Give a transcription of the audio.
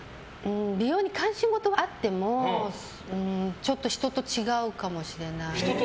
美容に関心ごとはあってもちょっと人と違うかもしれない。